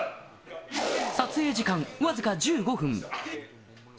撮影時間僅か１５分。